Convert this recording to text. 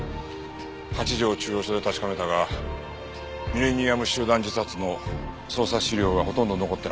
八条中央署で確かめたがミレニアム集団自殺の捜査資料はほとんど残ってなかった。